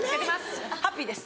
ハッピーです